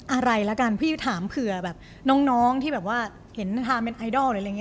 อะไรละกันพี่ถามเผื่อแบบน้องที่แบบว่าเห็นทามเป็นไอดอลหรืออะไรอย่างนี้